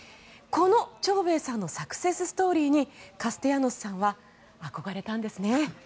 このチョウベイさんのサクセスストーリーにカステヤノスさんは憧れたんですね。